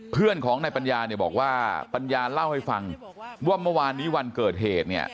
เพื่อนของนายปัญญาเนี่ยบอกว่าปัญญาเล่าให้ฟังว่าเมื่อวานนี้วันเกิดเหตุเนี่ย